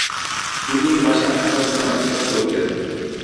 Putin Bashar Asad bilan uchrashuv o‘tkazdi